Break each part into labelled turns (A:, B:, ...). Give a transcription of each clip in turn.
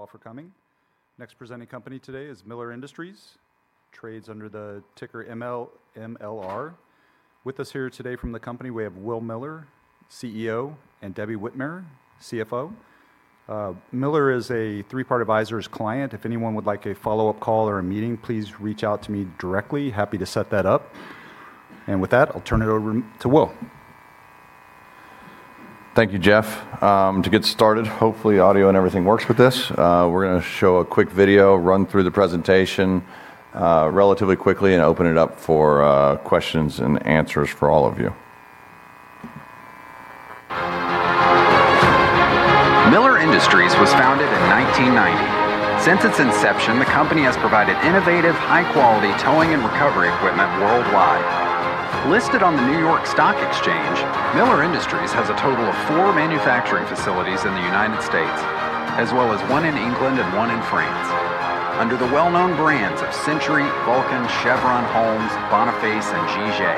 A: Thank you all for coming. Next presenting company today is Miller Industries, trades under the ticker MLR. With us here today from the company, we have Will Miller, CEO, and Debbie Whitmire, CFO. Miller is a Three Part Advisors' client. If anyone would like a follow-up call or a meeting, please reach out to me directly. Happy to set that up. With that, I'll turn it over to Will.
B: Thank you, Jeff. To get started, hopefully, audio and everything works with this. We're going to show a quick video, run through the presentation relatively quickly, and open it up for questions-and-answers for all of you.
C: Miller Industries was founded in 1990. Since its inception, the company has provided innovative, high-quality towing and recovery equipment worldwide. Listed on the New York Stock Exchange, Miller Industries has a total of four manufacturing facilities in the U.S., as well as one in England and one in France. Under the well-known brands of Century, Vulcan, Chevron, Holmes, Boniface, and Jige.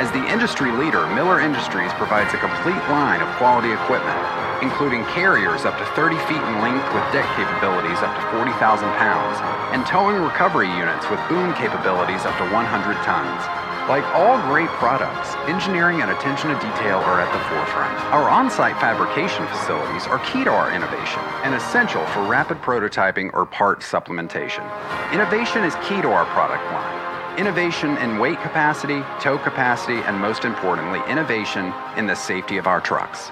C: As the industry leader, Miller Industries provides a complete line of quality equipment, including carriers up to 30 ft in length with deck capabilities up to 40,000 lbs. Towing recovery units with boom capabilities up to 100 tons. Like all great products, engineering and attention to detail are at the forefront. Our on-site fabrication facilities are key to our innovation and essential for rapid prototyping or part supplementation. Innovation is key to our product line. Innovation in weight capacity, tow capacity, and most importantly, innovation in the safety of our trucks.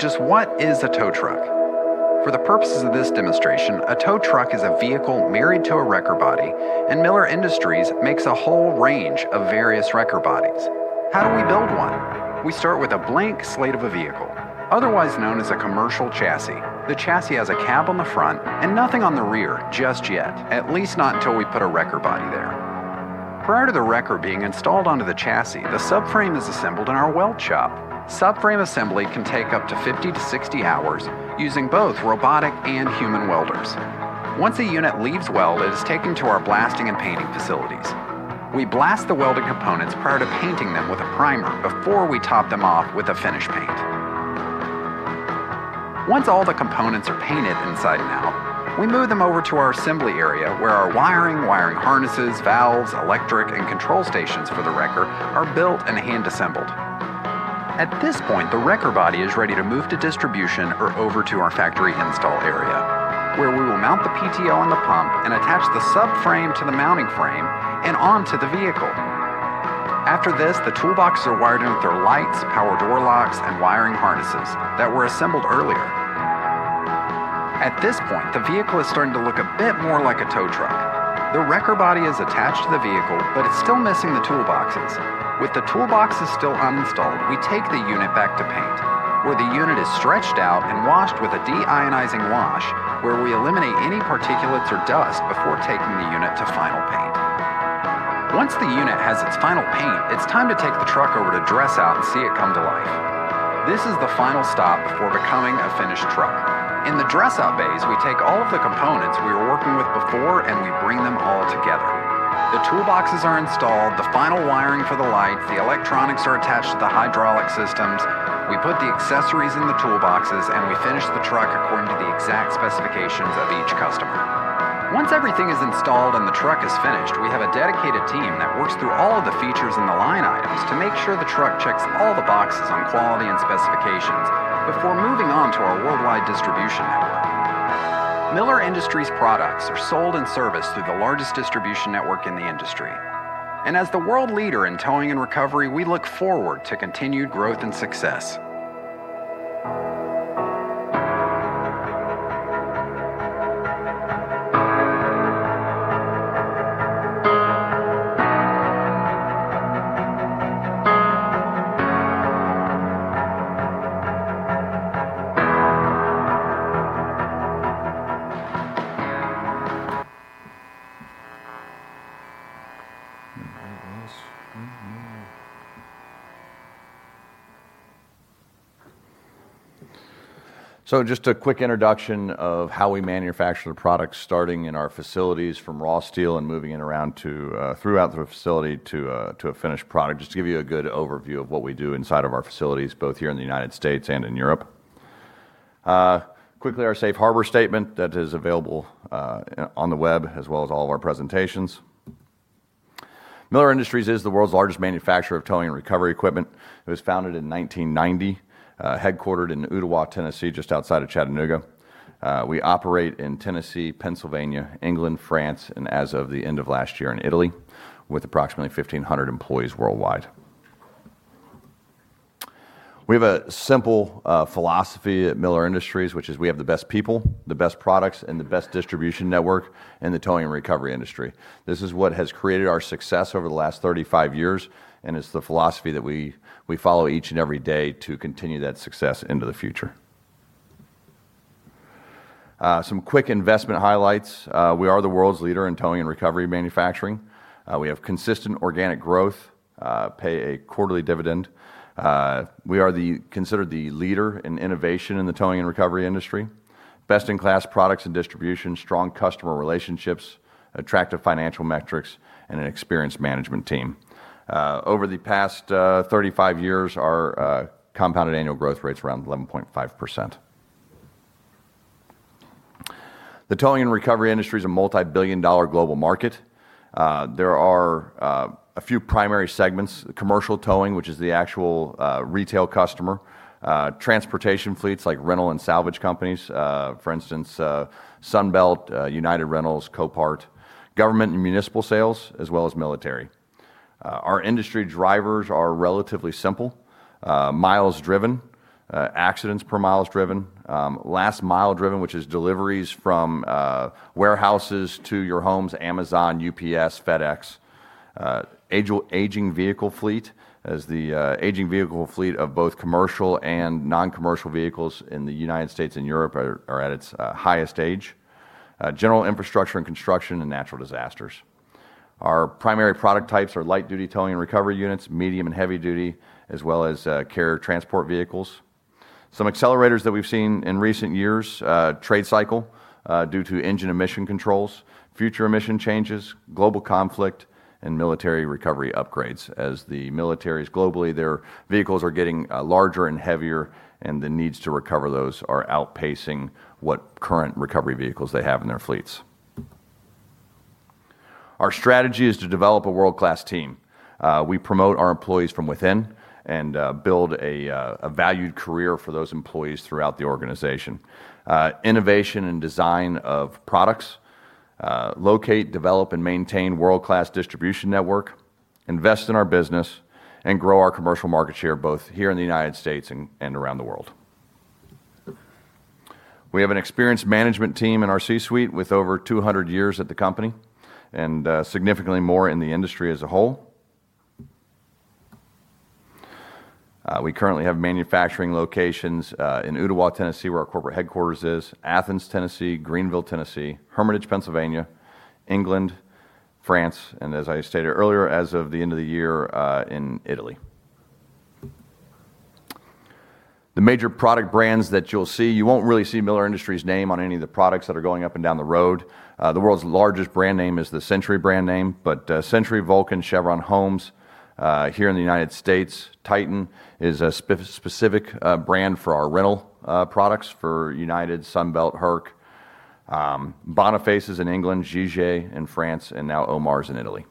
C: Just what is a tow truck? For the purposes of this demonstration, a tow truck is a vehicle married to a wrecker body, and Miller Industries makes a whole range of various wrecker bodies. How do we build one? We start with a blank slate of a vehicle, otherwise known as a commercial chassis. The chassis has a cab on the front and nothing on the rear just yet, at least not until we put a wrecker body there. Prior to the wrecker being installed onto the chassis, the subframe is assembled in our weld shop. Subframe assembly can take up to 50-60 hours using both robotic and human welders. Once a unit leaves weld, it is taken to our blasting and painting facilities. We blast the welded components prior to painting them with a primer before we top them off with a finish paint. Once all the components are painted inside and out, we move them over to our assembly area, where our wiring harnesses, valves, electric, and control stations for the wrecker are built and hand assembled. At this point, the wrecker body is ready to move to distribution or over to our factory install area, where we will mount the PTO and the pump and attach the subframe to the mounting frame and onto the vehicle. After this, the toolboxes are wired in with their lights, power door locks, and wiring harnesses that were assembled earlier. At this point, the vehicle is starting to look a bit more like a tow truck. The wrecker body is attached to the vehicle, but it's still missing the toolboxes. With the toolboxes still uninstalled, we take the unit back to paint, where the unit is stretched out and washed with a deionizing wash, where we eliminate any particulates or dust before taking the unit to final paint. Once the unit has its final paint, it's time to take the truck over to dress out and see it come to life. This is the final stop before becoming a finished truck. In the dress-out bays, we take all of the components we were working with before, and we bring them all together. The toolboxes are installed, the final wiring for the lights, the electronics are attached to the hydraulic systems. We put the accessories in the toolboxes, and we finish the truck according to the exact specifications of each customer. Once everything is installed and the truck is finished, we have a dedicated team that works through all of the features and the line items to make sure the truck checks all the boxes on quality and specifications before moving on to our worldwide distribution network. Miller Industries products are sold and serviced through the largest distribution network in the industry. As the world leader in towing and recovery, we look forward to continued growth and success.
B: Just a quick introduction of how we manufacture the product, starting in our facilities from raw steel and moving it around throughout the facility to a finished product, just to give you a good overview of what we do inside of our facilities, both here in the U.S. and in Europe. Quickly, our safe harbor statement that is available on the web, as well as all of our presentations. Miller Industries is the world's largest manufacturer of towing and recovery equipment. It was founded in 1990, headquartered in Ooltewah, Tennessee, just outside of Chattanooga. We operate in Tennessee, Pennsylvania, England, France, and as of the end of last year, in Italy, with approximately 1,500 employees worldwide. We have a simple philosophy at Miller Industries, which is we have the best people, the best products, and the best distribution network in the towing and recovery industry. This is what has created our success over the last 35 years, and it's the philosophy that we follow each and every day to continue that success into the future. Some quick investment highlights. We are the world's leader in towing and recovery manufacturing. We have consistent organic growth, pay a quarterly dividend. We are considered the leader in innovation in the towing and recovery industry. Best-in-class products and distribution, strong customer relationships, attractive financial metrics, and an experienced management team. Over the past 35 years, our compounded annual growth rate's around 11.5%. The towing and recovery industry is a multi-billion dollar global market. There are a few primary segments, commercial towing, which is the actual retail customer, transportation fleets like rental and salvage companies. For instance, Sunbelt Rentals, United Rentals, Copart, government and municipal sales, as well as military. Our industry drivers are relatively simple. Miles driven, accidents per miles driven, last mile driven, which is deliveries from warehouses to your homes, Amazon, UPS, FedEx. Aging vehicle fleet, as the aging vehicle fleet of both commercial and non-commercial vehicles in the U.S. and Europe are at its highest age. General infrastructure and construction and natural disasters. Our primary product types are light-duty towing and recovery units, medium and heavy duty, as well as carrier transport vehicles. Some accelerators that we've seen in recent years, trade cycle due to engine emission controls, future emission changes, global conflict, and military recovery upgrades as the militaries globally, their vehicles are getting larger and heavier, and the needs to recover those are outpacing what current recovery vehicles they have in their fleets. Our strategy is to develop a world-class team. We promote our employees from within and build a valued career for those employees throughout the organization. Innovation and design of products, locate, develop, and maintain world-class distribution network, invest in our business, and grow our commercial market share both here in the U.S. and around the world. We have an experienced management team in our C-suite with over 200 years at the company, and significantly more in the industry as a whole. We currently have manufacturing locations in Ooltewah, Tennessee, where our corporate headquarters is, Athens, Tennessee, Greeneville, Tennessee, Hermitage, Pennsylvania, England, France, and as I stated earlier, as of the end of the year, in Italy. The major product brands that you'll see, you won't really see Miller Industries name on any of the products that are going up and down the road. The world's largest brand name is the Century brand name, but Century, Vulcan, Chevron, Holmes. Here in the U.S., Titan is a specific brand for our rental products for United Rentals, Sunbelt Rentals, Herc Rentals. Boniface is in England, Jige in France, and now Omars in Italy.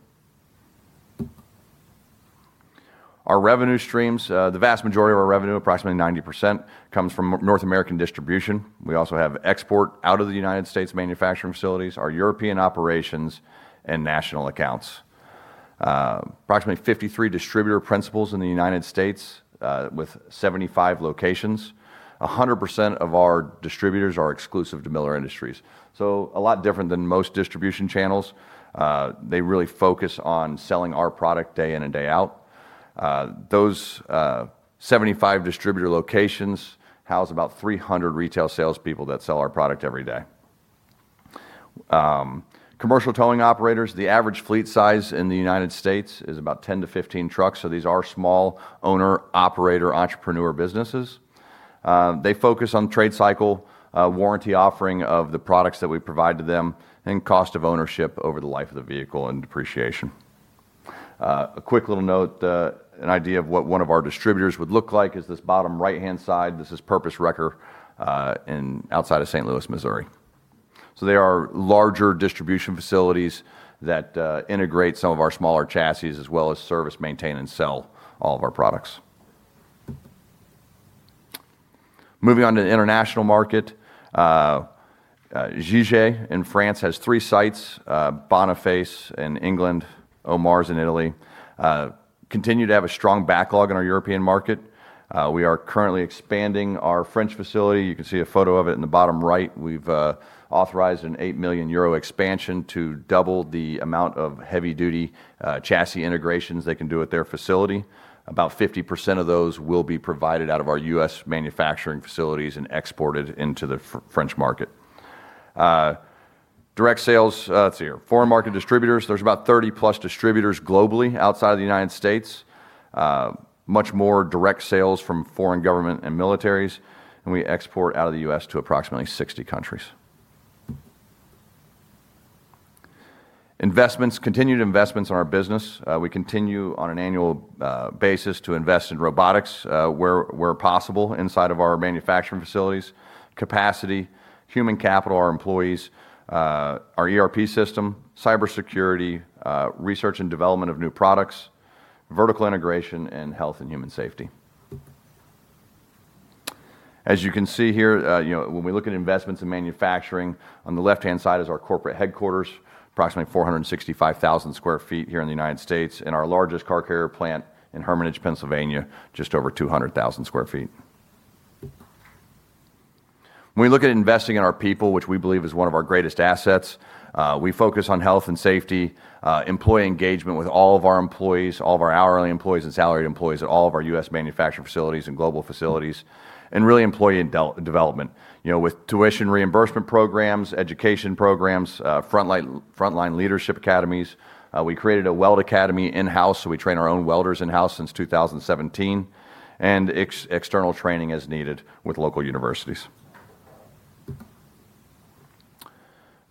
B: Our revenue streams, the vast majority of our revenue, approximately 90%, comes from North American distribution. We also have export out of the U.S. manufacturing facilities, our European operations, and national accounts. Approximately 53 distributor principals in the U.S., with 75 locations. 100% of our distributors are exclusive to Miller Industries. A lot different than most distribution channels. They really focus on selling our product day in and day out. Those 75 distributor locations house about 300 retail salespeople that sell our product every day. Commercial towing operators, the average fleet size in the U.S. is about 10-15 trucks, so these are small owner/operator entrepreneur businesses. They focus on trade cycle, warranty offering of the products that we provide to them, and cost of ownership over the life of the vehicle and depreciation. A quick little note, an idea of what one of our distributors would look like is this bottom right-hand side. This is Purpose Wrecker outside of St. Louis, Missouri. They are larger distribution facilities that integrate some of our smaller chassis as well as service, maintain, and sell all of our products. Moving on to the international market. Jige in France has three sites. Boniface in England, Omars in Italy. Continue to have a strong backlog in our European market. We are currently expanding our French facility. You can see a photo of it in the bottom right. We've authorized an 8 million euro expansion to double the amount of heavy-duty chassis integrations they can do at their facility. About 50% of those will be provided out of our U.S. manufacturing facilities and exported into the French market. Direct sales, let's see here. Foreign market distributors, there's about 30+ distributors globally outside of the United States. Much more direct sales from foreign government and militaries, and we export out of the U.S. to approximately 60 countries. Investments, continued investments in our business. We continue on an annual basis to invest in robotics where possible inside of our manufacturing facilities, capacity, human capital, our employees, our ERP system, cybersecurity, research and development of new products, vertical integration, and health and human safety. As you can see here, when we look at investments in manufacturing, on the left-hand side is our corporate headquarters, approximately 465,000 sq ft here in the United States, and our largest car carrier plant in Hermitage, Pennsylvania, just over 200,000 sq ft. When we look at investing in our people, which we believe is one of our greatest assets, we focus on health and safety, employee engagement with all of our employees, all of our hourly employees and salaried employees at all of our U.S. manufacturing facilities and global facilities, and really employee development. With tuition reimbursement programs, education programs, frontline leadership academies. We created a weld academy in-house, so we train our own welders in-house since 2017, and external training as needed with local universities.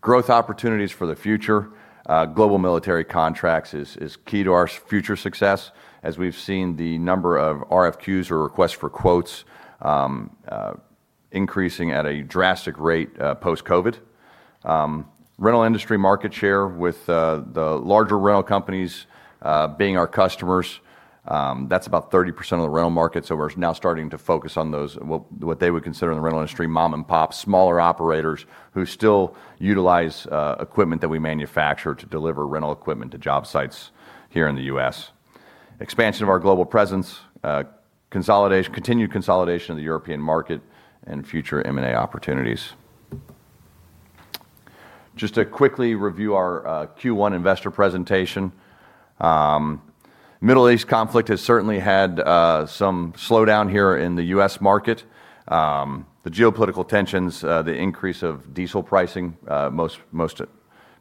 B: Growth opportunities for the future. Global military contracts is key to our future success, as we've seen the number of RFQs or requests for quotes increasing at a drastic rate post-COVID. Rental industry market share with the larger rental companies being our customers. That's about 30% of the rental market, so we're now starting to focus on those, what they would consider in the rental industry, mom and pop, smaller operators who still utilize equipment that we manufacture to deliver rental equipment to job sites here in the U.S. Expansion of our global presence. Continued consolidation of the European market and future M&A opportunities. Just to quickly review our Q1 investor presentation. Middle East conflict has certainly had some slowdown here in the U.S. market. The geopolitical tensions, the increase of diesel pricing, most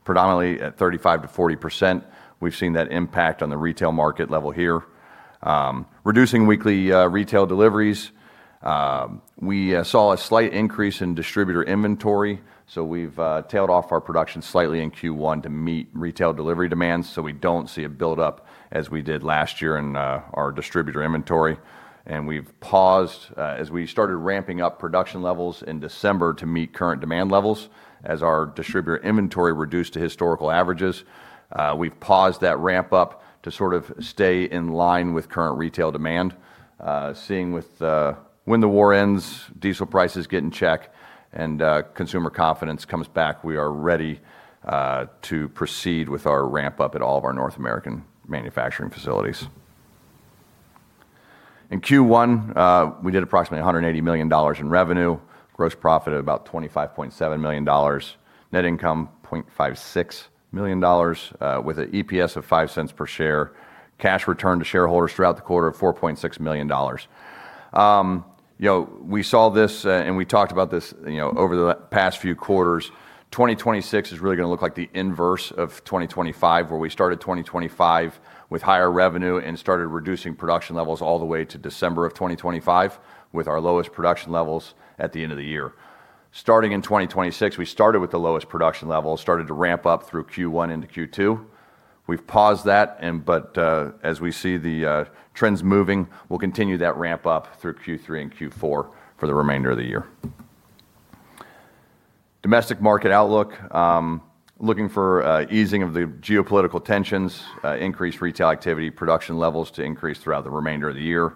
B: predominantly at 35%-40%. We've seen that impact on the retail market level here. Reducing weekly retail deliveries. We saw a slight increase in distributor inventory, so we've tailed off our production slightly in Q1 to meet retail delivery demands, so we don't see a buildup as we did last year in our distributor inventory. We've paused as we started ramping up production levels in December to meet current demand levels as our distributor inventory reduced to historical averages. We've paused that ramp up to sort of stay in line with current retail demand. Seeing with when the war ends, diesel prices get in check, and consumer confidence comes back, we are ready to proceed with our ramp up at all of our North American manufacturing facilities. In Q1, we did approximately $180 million in revenue, gross profit at about $25.7 million. Net income, $0.56 million, with an EPS of $0.05 per share, cash return to shareholders throughout the quarter of $4.6 million. We saw this and we talked about this over the past few quarters. 2026 is really going to look like the inverse of 2025, where we started 2025 with higher revenue and started reducing production levels all the way to December of 2025 with our lowest production levels at the end of the year. Starting in 2026, we started with the lowest production level, started to ramp up through Q1 into Q2. We've paused that, but as we see the trends moving, we'll continue that ramp up through Q3 and Q4 for the remainder of the year. Domestic market outlook. Looking for easing of the geopolitical tensions, increased retail activity, production levels to increase throughout the remainder of the year.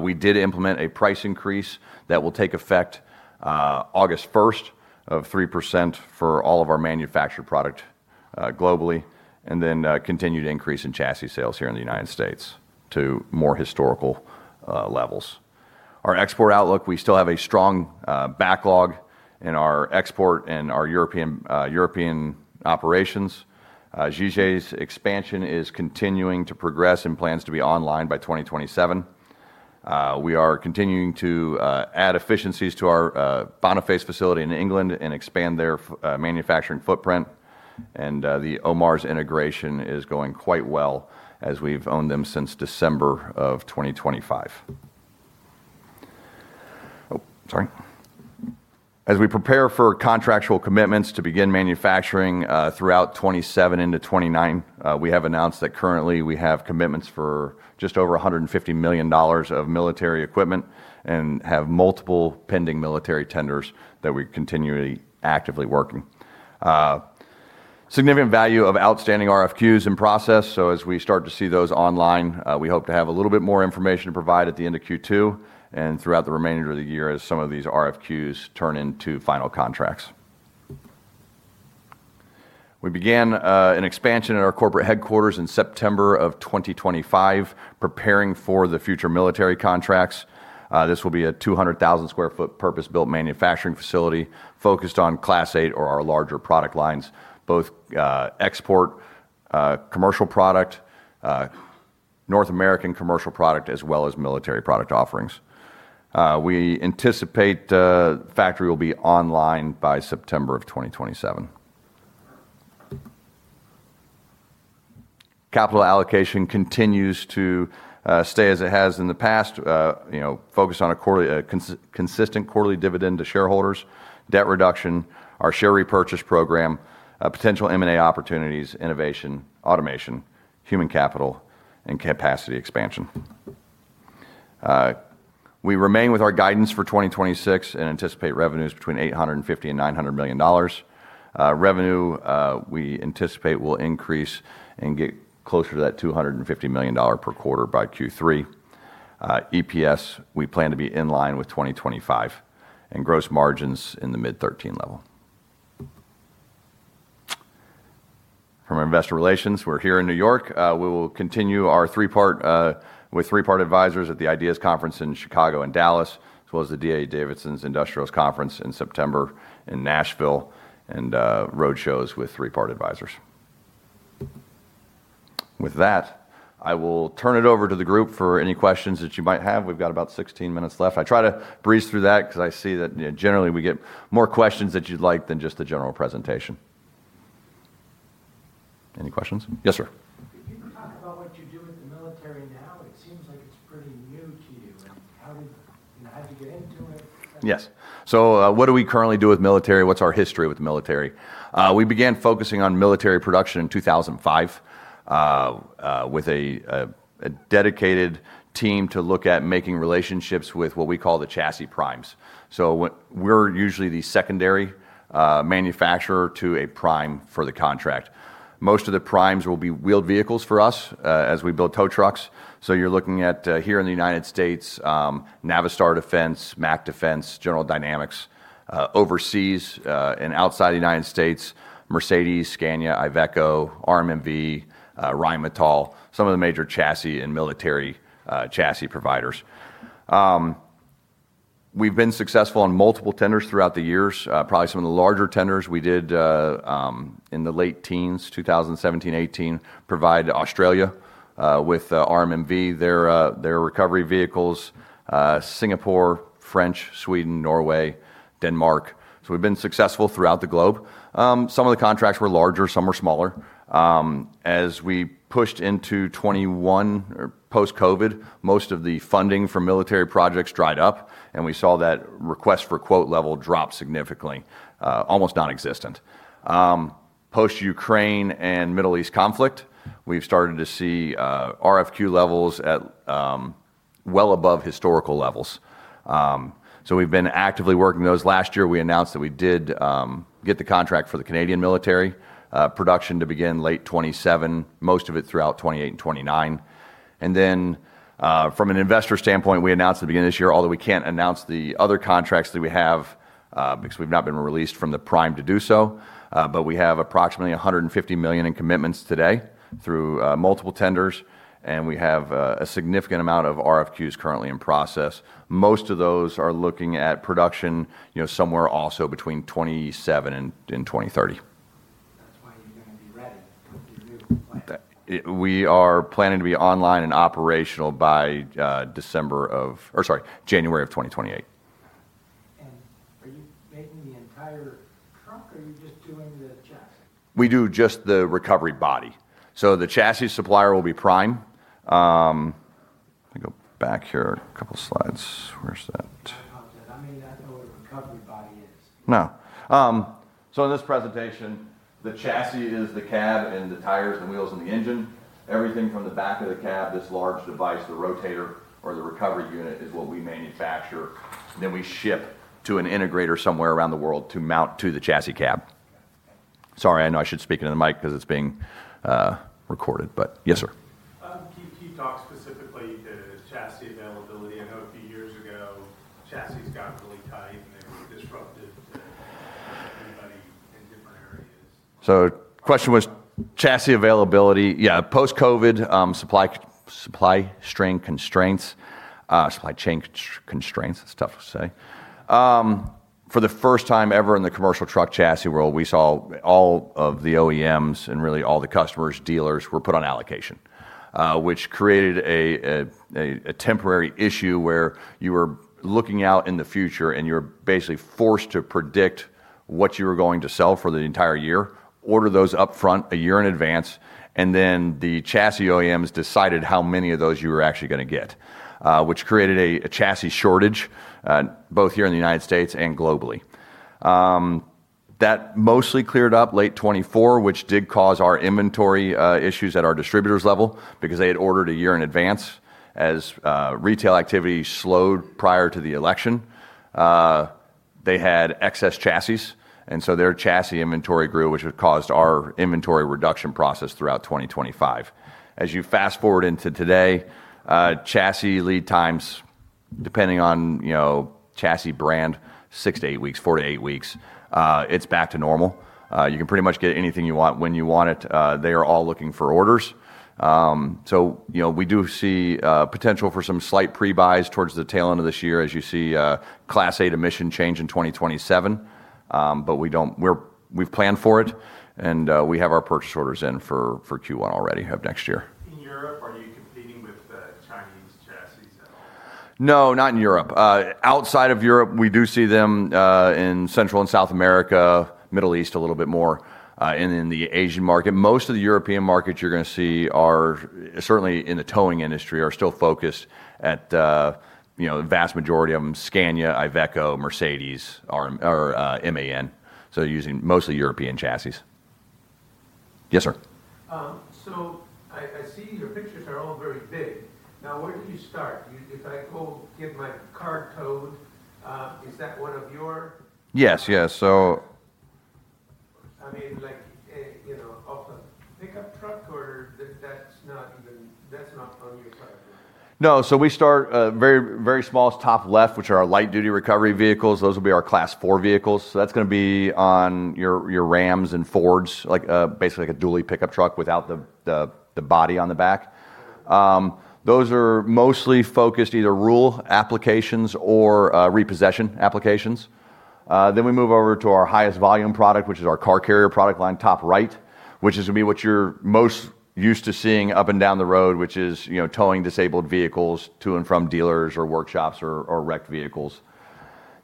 B: We did implement a price increase that will take effect August 1st of 3% for all of our manufactured product globally, then continue to increase in chassis sales here in the United States to more historical levels. Our export outlook, we still have a strong backlog in our export and our European operations. Jige's expansion is continuing to progress and plans to be online by 2027. We are continuing to add efficiencies to our Boniface facility in England and expand their manufacturing footprint. The Omars integration is going quite well as we've owned them since December of 2025. Oh, sorry. As we prepare for contractual commitments to begin manufacturing throughout 2027 into 2029. We have announced that currently we have commitments for just over $150 million of military equipment and have multiple pending military tenders that we're continually actively working. Significant value of outstanding RFQs in process. As we start to see those online, we hope to have a little bit more information to provide at the end of Q2 and throughout the remainder of the year as some of these RFQs turn into final contracts. We began an expansion at our corporate headquarters in September of 2025, preparing for the future military contracts. This will be a 200,000 sq ft purpose-built manufacturing facility focused on Class 8 or our larger product lines, both export commercial product, North American commercial product, as well as military product offerings. We anticipate the factory will be online by September of 2027. Capital allocation continues to stay as it has in the past. Focus on a consistent quarterly dividend to shareholders, debt reduction, our share repurchase program, potential M&A opportunities, innovation, automation, human capital, and capacity expansion. We remain with our guidance for 2026 and anticipate revenues between $850 million and $900 million. Revenue we anticipate will increase and get closer to that $250 million per quarter by Q3. EPS, we plan to be in line with 2025. Gross margins in the mid 13% level. From our investor relations, we are here in New York. We will continue with Three Part Advisors at the IDEAS Conference in Chicago and Dallas, as well as the D.A. Davidson's Industrials Conference in September in Nashville, and road shows with Three Part Advisors. With that, I will turn it over to the group for any questions that you might have. We have about 16 minutes left. I try to breeze through that because I see that generally we get more questions that you would like than just the general presentation. Any questions? Yes, sir.
D: Can you talk about what you do with the military now? It seems like it is pretty new to you. How did you get into it?
B: Yes. What do we currently do with military? What is our history with the military? We began focusing on military production in 2005 with a dedicated team to look at making relationships with what we call the chassis primes. We are usually the secondary manufacturer to a prime for the contract. Most of the primes will be wheeled vehicles for us as we build tow trucks. You are looking at here in the U.S., Navistar Defense, Mack Defense, General Dynamics. Overseas and outside the U.S., Mercedes, Scania, Iveco, MAN, Rheinmetall, some of the major chassis and military chassis providers. We have been successful in multiple tenders throughout the years. Probably some of the larger tenders we did in the late teens, 2017, 2018, provide Australia with MAN, their recovery vehicles. Singapore, French, Sweden, Norway, Denmark. We have been successful throughout the globe. Some of the contracts were larger, some were smaller. As we pushed into 2021 or post-COVID, most of the funding for military projects dried up, and we saw that RFQ level drop significantly, almost non-existent. Post Ukraine and Middle East conflict, we have started to see RFQ levels at well above historical levels. We have been actively working those. Last year, we announced that we did get the contract for the Canadian military, production to begin late 2027, most of it throughout 2028 and 2029. From an investor standpoint, we announced at the beginning of this year, although we cannot announce the other contracts that we have because we have not been released from the prime to do so. We have approximately $150 million in commitments today through multiple tenders, and we have a significant amount of RFQs currently in process. Most of those are looking at production somewhere also between 2027 and 2030.
D: That's why you're going to be ready with your new plant.
B: We are planning to be online and operational by January of 2028.
D: Are you making the entire truck, or are you just doing the chassis?
B: We do just the recovery body. The chassis supplier will be Prime. Let me go back here a couple slides. Where is that?
D: I apologize. I may not know what a recovery body is.
B: No. In this presentation, the chassis is the cab and the tires and wheels and the engine. Everything from the back of the cab, this large device, the Rotator or the recovery unit, is what we manufacture. We ship to an integrator somewhere around the world to mount to the chassis cab.
D: Okay.
B: Sorry. I know I should speak into the mic because it's being recorded. Yes, sir.
E: Can you talk specifically to chassis availability? I know a few years ago, chassis got really tight and it disrupted anybody in different areas.
B: Question was chassis availability. Yeah. Post-COVID, supply chain constraints, it's tough to say. For the first time ever in the commercial truck chassis world, we saw all of the OEMs and really all the customers, dealers, were put on allocation, which created a temporary issue where you were looking out in the future and you were basically forced to predict what you were going to sell for the entire year, order those up front a year in advance, and then the chassis OEMs decided how many of those you were actually going to get, which created a chassis shortage both here in the United States and globally. That mostly cleared up late 2024, which did cause our inventory issues at our distributors' level because they had ordered a year in advance. As retail activity slowed prior to the election, they had excess chassis. Their chassis inventory grew, which had caused our inventory reduction process throughout 2025. As you fast-forward into today, chassis lead times, depending on chassis brand, six to eight weeks, four to eight weeks. It's back to normal. You can pretty much get anything you want when you want it. They are all looking for orders. We do see potential for some slight pre-buys towards the tail end of this year as you see Class 8 emission change in 2027. We've planned for it, and we have our purchase orders in for Q1 already of next year.
E: In Europe, are you competing with Chinese chassis at all?
B: No, not in Europe. Outside of Europe, we do see them in Central and South America, Middle East a little bit more, and in the Asian market. Most of the European markets you're going to see, certainly in the towing industry, are still focused at the vast majority of them, Scania, Iveco, Mercedes, or MAN. Using mostly European chassis. Yes, sir.
D: I see your pictures are all very big. Now, where did you start? If I go get my car towed, is that one of your.
B: Yes.
D: I mean, like, often pickup truck or that's not from your side, is it?
B: No. We start very small. Top left, which are our light-duty recovery vehicles. Those will be our Class 4 vehicles. That's going to be on your Ram and Ford, basically like a dually pickup truck without the body on the back. Those are mostly focused either rural applications or repossession applications. We move over to our highest volume product, which is our car carrier product line, top right, which is going to be what you're most used to seeing up and down the road, which is towing disabled vehicles to and from dealers or workshops or wrecked vehicles.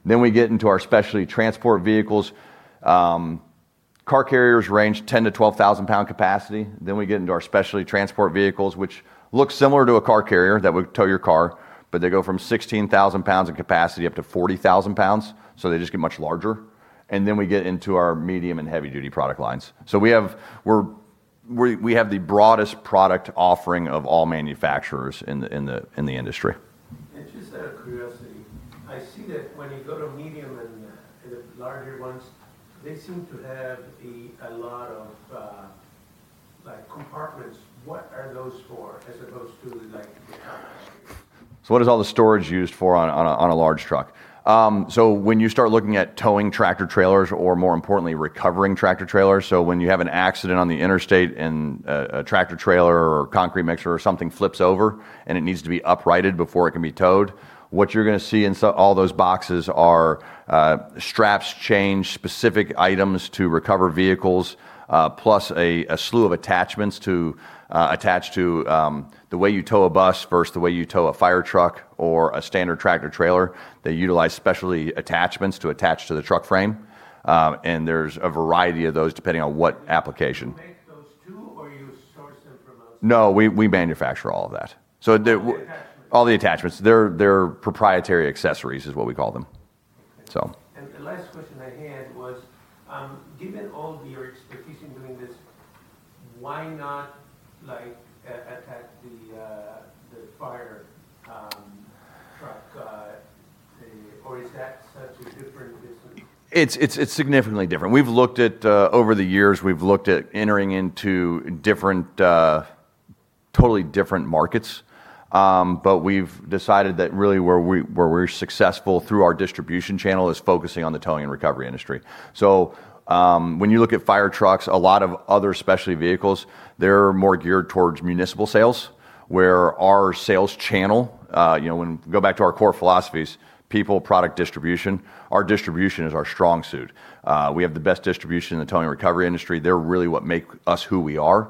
B: We get into our specialty transport vehicles. Car carriers range 10,000 lbs-12,000 lbs capacity. We get into our specialty transport vehicles, which look similar to a car carrier that would tow your car, but they go from 16,000 lbs of capacity up to 40,000 lbs, so they just get much larger. We get into our medium- and heavy-duty product lines. We have the broadest product offering of all manufacturers in the industry.
D: Just out of curiosity, I see that when you go to medium and the larger ones, they seem to have a lot of compartments. What are those for as opposed to the?
B: What is all the storage used for on a large truck? When you start looking at towing tractor trailers, or more importantly, recovering tractor trailers, when you have an accident on the interstate and a tractor trailer or a concrete mixer or something flips over and it needs to be uprighted before it can be towed, what you're going to see in all those boxes are straps, chains, specific items to recover vehicles, plus a slew of attachments to attach to the way you tow a bus versus the way you tow a fire truck or a standard tractor trailer. They utilize specialty attachments to attach to the truck frame. There's a variety of those depending on what application.
D: You make those, too, or you source them from those.
B: No, we manufacture all of that.
D: All the attachments.
B: All the attachments. They're proprietary accessories, is what we call them.
D: Okay.
B: So.
D: The last question I had was, given all your expertise in doing this, why not attack the fire truck, or is that such a different discipline?
B: It's significantly different. Over the years, we've looked at entering into totally different markets, we've decided that really where we're successful through our distribution channel is focusing on the towing and recovery industry. When you look at fire trucks, a lot of other specialty vehicles, they're more geared towards municipal sales. Where our sales channel, when you go back to our core philosophies, people, product, distribution, our distribution is our strong suit. We have the best distribution in the towing and recovery industry. They're really what make us who we are.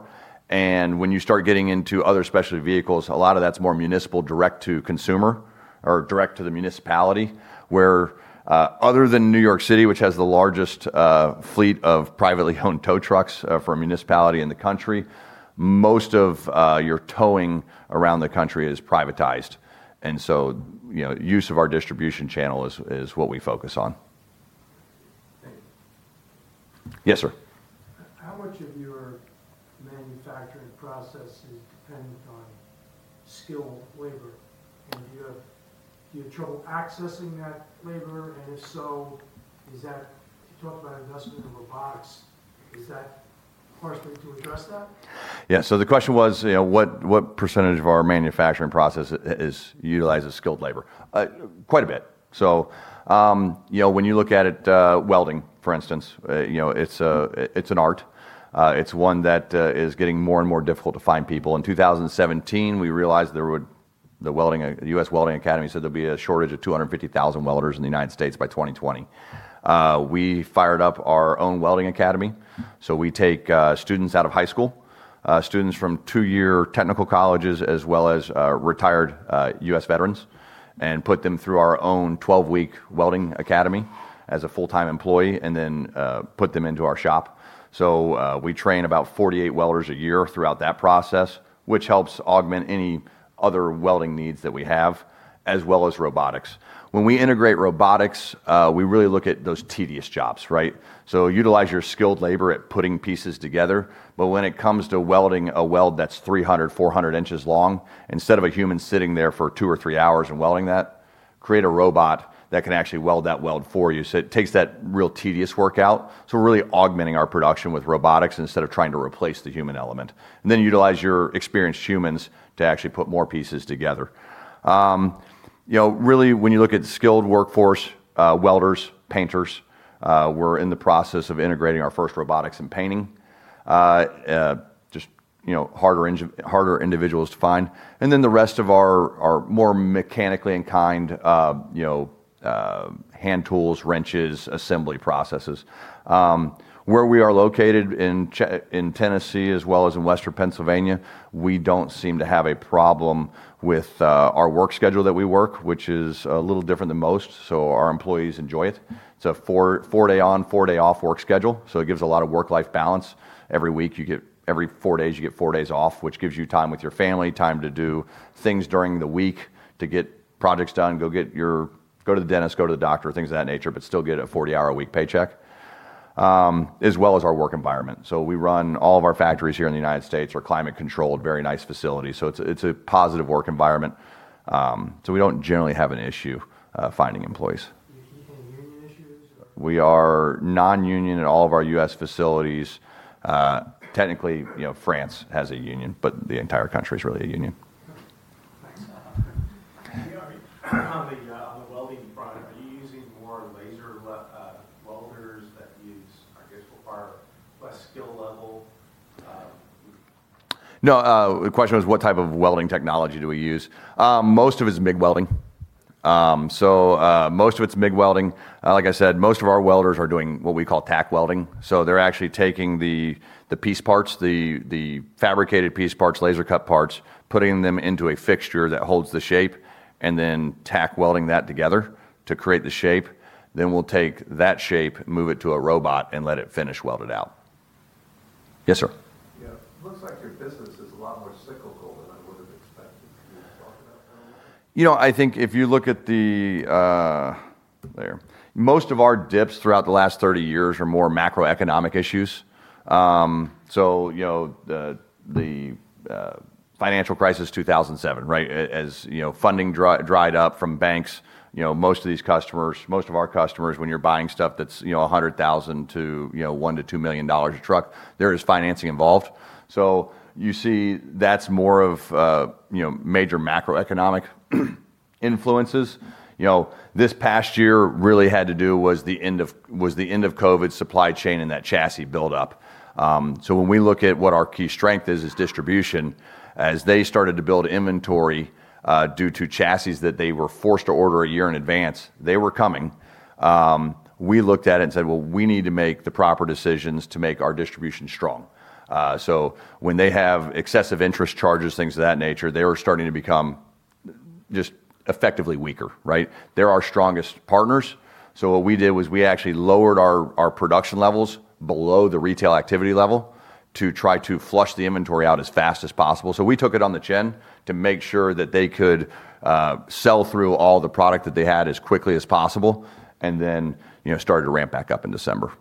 B: When you start getting into other specialty vehicles, a lot of that's more municipal direct to consumer or direct to the municipality, where other than New York City, which has the largest fleet of privately owned tow trucks for a municipality in the country, most of your towing around the country is privatized. Use of our distribution channel is what we focus on.
D: Thank you.
B: Yes, sir.
F: How much of your manufacturing process is dependent on skilled labor? Do you have trouble accessing that labor? If so, you talk about investment in robotics, is that partially to address that?
B: The question was, what percentage of our manufacturing process utilizes skilled labor? Quite a bit. When you look at it, welding, for instance, it's an art. It's one that is getting more and more difficult to find people. In 2017, the American Welding Society said there'd be a shortage of 250,000 welders in the U.S. by 2020. We fired up our own welding academy. We take students out of high school, students from two-year technical colleges, as well as retired U.S. veterans, and put them through our own 12-week welding academy as a full-time employee, and then put them into our shop. We train about 48 welders a year throughout that process, which helps augment any other welding needs that we have, as well as robotics. When we integrate robotics, we really look at those tedious jobs, right? Utilize your skilled labor at putting pieces together. When it comes to welding a weld that's 300, 400 inches long, instead of a human sitting there for two or three hours and welding that, create a robot that can actually weld that weld for you. It takes that real tedious work out. We're really augmenting our production with robotics instead of trying to replace the human element, and then utilize your experienced humans to actually put more pieces together. Really, when you look at skilled workforce, welders, painters, we're in the process of integrating our first robotics in painting. Just harder individuals to find. The rest of our more mechanically in kind, hand tools, wrenches, assembly processes. Where we are located in Tennessee as well as in Western Pennsylvania, we don't seem to have a problem with our work schedule that we work, which is a little different than most. Our employees enjoy it. It's a four-day on, four-day off work schedule. It gives a lot of work-life balance. Every four days, you get four days off, which gives you time with your family, time to do things during the week to get projects done, go to the dentist, go to the doctor, things of that nature, but still get a 40-hour a week paycheck, as well as our work environment. We run all of our factories here in the U.S. We're climate controlled, very nice facility. It's a positive work environment. We don't generally have an issue finding employees.
F: Do you have any union issues?
B: We are non-union at all of our U.S. facilities. Technically, France has a union, but the entire country's really a union.
F: Thanks.
G: On the welding product, are you using more laser welders that use, I guess, will require less skill level?
B: No. The question was what type of welding technology do we use. Most of it's MIG welding. Like I said, most of our welders are doing what we call tack welding, so they're actually taking the piece parts, the fabricated piece parts, laser cut parts, putting them into a fixture that holds the shape, and then tack welding that together to create the shape. We'll take that shape, move it to a robot, and let it finish weld it out. Yes, sir.
H: Yeah. It looks like your business is a lot more cyclical than I would've expected. Can you talk about that a little bit?
B: I think if you look at There. Most of our dips throughout the last 30 years are more macroeconomic issues. The financial crisis of 2007, right? As funding dried up from banks, most of our customers, when you're buying stuff that's $100,000-$1 million-$2 million a truck, there is financing involved. You see that's more of major macroeconomic influences. This past year really had to do with the end of COVID supply chain and that chassis buildup. When we look at what our key strength is distribution, as they started to build inventory due to chassis that they were forced to order a year in advance, they were coming. We looked at it and said, well, we need to make the proper decisions to make our distribution strong. When they have excessive interest charges, things of that nature, they were starting to become just effectively weaker, right? They're our strongest partners. What we did was we actually lowered our production levels below the retail activity level to try to flush the inventory out as fast as possible. We took it on the chin to make sure that they could sell through all the product that they had as quickly as possible, then started to ramp back up in December.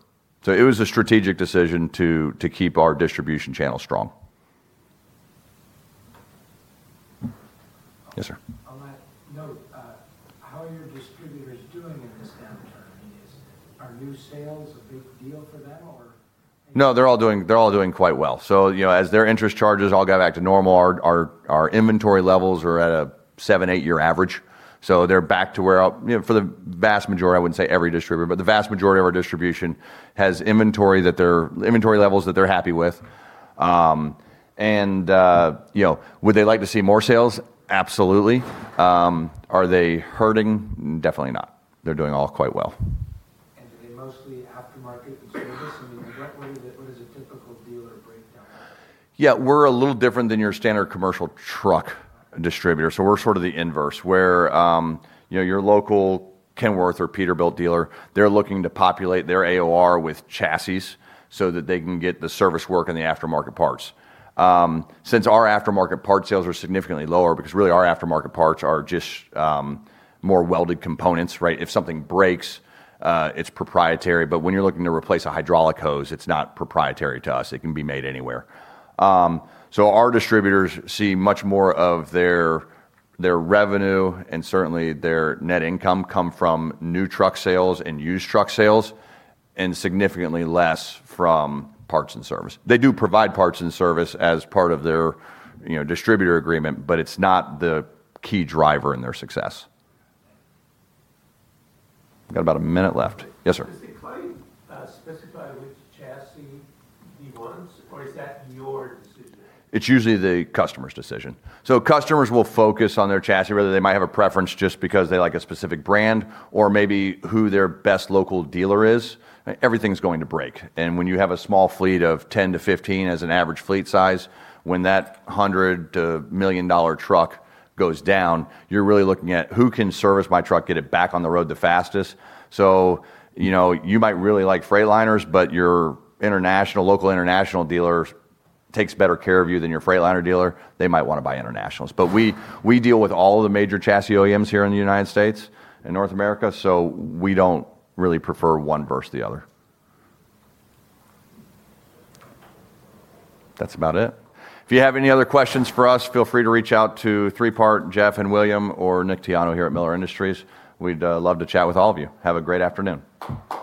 B: It was a strategic decision to keep our distribution channel strong. Yes, sir.
H: On that note, how are your distributors doing in this downturn? Are new sales a big deal for them?
B: No, they're all doing quite well. As their interest charges all got back to normal, our inventory levels are at a seven, eight-year average. For the vast majority, I wouldn't say every distributor, but the vast majority of our distribution has inventory levels that they're happy with. Would they like to see more sales? Absolutely. Are they hurting? Definitely not. They're doing all quite well.
H: Are they mostly aftermarket and service? What is a typical dealer breakdown?
B: Yeah. We're a little different than your standard commercial truck distributor. We're sort of the inverse, where your local Kenworth or Peterbilt dealer, they're looking to populate their AOR with chassis so that they can get the service work and the aftermarket parts. Since our aftermarket part sales are significantly lower because really our aftermarket parts are just more welded components, right? If something breaks, it's proprietary. When you're looking to replace a hydraulic hose, it's not proprietary to us. It can be made anywhere. Our distributors see much more of their revenue, and certainly their net income, come from new truck sales and used truck sales, and significantly less from parts and service. They do provide parts and service as part of their distributor agreement, but it's not the key driver in their success. Got about a minute left. Yes, sir.
H: Does the client specify which chassis he wants, or is that your decision?
B: It's usually the customer's decision. Customers will focus on their chassis, whether they might have a preference just because they like a specific brand or maybe who their best local dealer is. Everything's going to break. When you have a small fleet of 10 to 15 as an average fleet size, when that hundred to million dollar truck goes down, you're really looking at who can service my truck, get it back on the road the fastest. You might really like Freightliners, but your local International dealer takes better care of you than your Freightliner dealer. They might want to buy Internationals. We deal with all of the major chassis OEMs here in the U.S. and North America, we don't really prefer one versus the other. That's about it. If you have any other questions for us, feel free to reach out to Three Part, Jeff, and William, or Nick Tiano here at Miller Industries. We'd love to chat with all of you. Have a great afternoon.